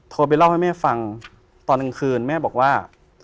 ไปเล่าให้แม่ฟังตอนกลางคืนแม่บอกว่า